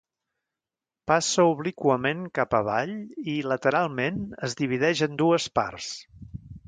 Passa obliquament cap avall i, lateralment, es divideix en dues parts.